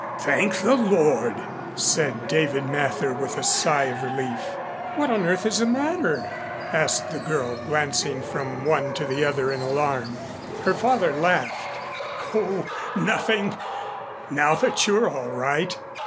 "Thank the Lord," said David Mather with a sigh of relief. "What on earth is the matter?" asked the girl, glancing from one to the other in alarm. Her father laughed. "Oh, nothing, now that you're all right.